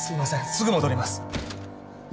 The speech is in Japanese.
すぐ戻ります